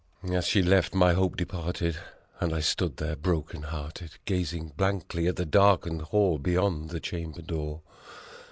9 As she left, my hope departed, and I stood there broken hearted, Gazing blankly at the darkened hall beyond the chamber door.